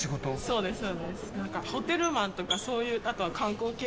そうです。